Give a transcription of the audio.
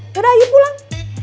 yaudah yuk pulang